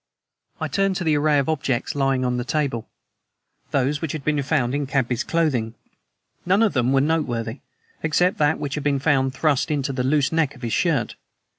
I turned to the array of objects lying on the table those which had been found in Cadby's clothing. None of them were noteworthy, except that which had been found thrust into the loose neck of his shirt.